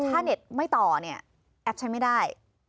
ถ้าเน็ตไม่ต่อเนี่ยแอปใช้ไม่ได้